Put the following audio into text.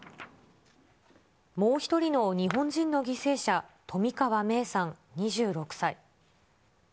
もう１人の日本人の犠牲者、冨川芽生さん２６歳。